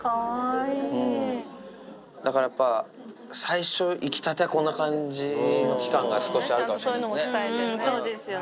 だからやっぱ、最初、いきたては、こんな感じの期間も少しあるかもしれないですね。